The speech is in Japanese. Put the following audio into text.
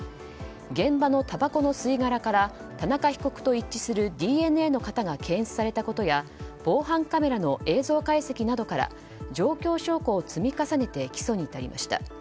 現場のたばこの吸い殻から田中被告と一致するＤＮＡの型が検出されたことや防犯カメラの映像解析などから状況証拠を積み重ねて起訴に至りました。